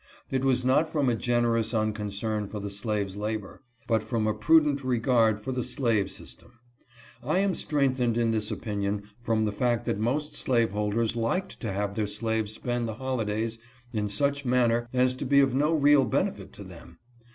It was not from a generous unconcern for the slave's labor, but from a prudent regard for the slave system. I am strengthened in this opinion from the fact that most slaveholders liked to have their slaves spend the holidays in such manner as to be of no real benefit to them.